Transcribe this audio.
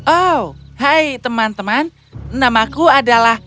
oh hai teman teman namaku adalah